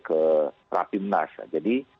ke rapimnas jadi